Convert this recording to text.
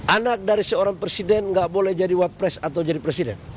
anak dari seorang presiden nggak boleh jadi wapres atau jadi presiden